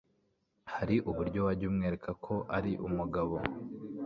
hari uburyo wajya umwereka ko ari umugabo